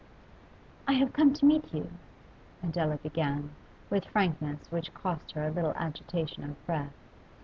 'I have come to meet you,' Adela began, with frankness which cost her a little agitation of breath.